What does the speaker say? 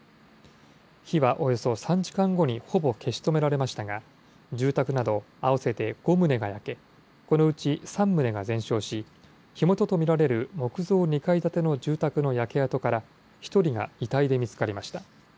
火はおよそ３時間後にほぼ消し止められましたが、住宅など、合わせて５棟が焼け、このうち３棟が全焼し、火元と見られる木造２階建ての住宅の焼け跡から１人が遺体で見つかりました。